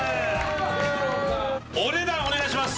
お値段お願いします。